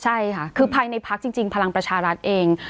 ใช่ค่ะคือภายในพักจริงพลังประชารัฐเอง